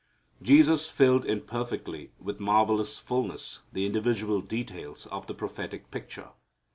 Jesus filled in perfectly with marvellous fulness the individual details of the prophetic picture.